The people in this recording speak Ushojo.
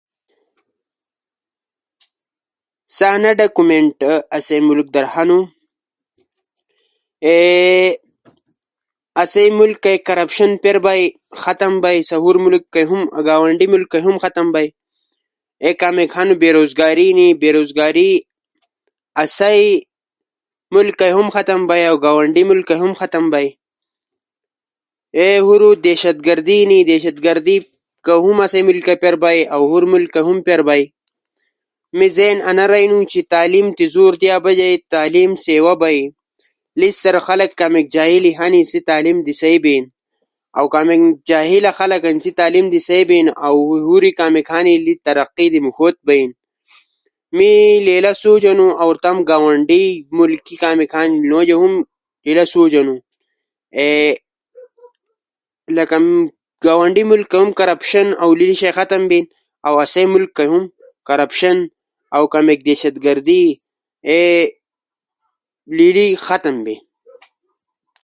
سہ اسئ آنا ڈاکومئنٹ ہنو سہ اسئ ملک کئ ھم پر بئ او اسئ گھانڈی ملک کئ ھم پیر بئ سہ دیشادگردی یا کپرشین ھم بیلؤ لیلی شے اسی ملک پیر بین